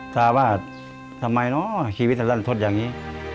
จ้าว่าทำไมเนอะชีวิตทั้งนั้นทดอย่างนี้